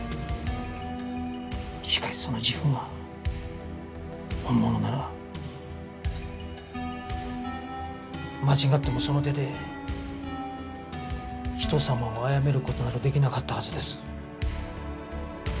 しかしその自負が本物なら間違ってもその手で人様を殺める事など出来なかったはずです。